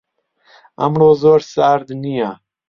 ئەمڕۆ زۆر سارد نییە.